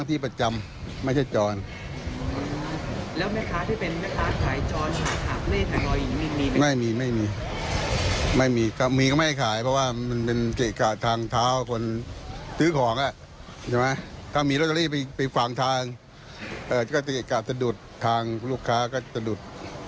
ถ้ามีรถไล่ไปฝั่งทางก็จะดุดทางลูกค้าก็จะดุด